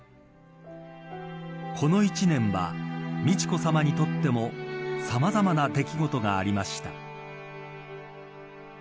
この一年は美智子さまにとってもさまざまな出来事がありました。